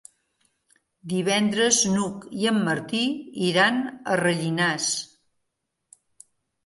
Divendres n'Hug i en Martí iran a Rellinars.